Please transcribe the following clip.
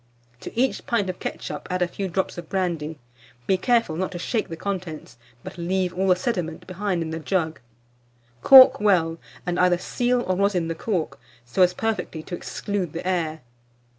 To each pint of ketchup add a few drops of brandy. Be careful not to shake the contents, but leave all the sediment behind in the jug; cork well, and either seal or rosin the cork, so as perfectly to exclude the air.